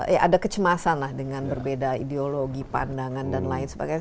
ya ada kecemasan lah dengan berbeda ideologi pandangan dan lain sebagainya